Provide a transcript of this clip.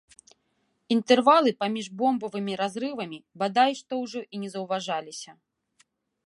Інтэрвалы паміж бомбавымі разрывамі бадай што ўжо і не заўважаліся.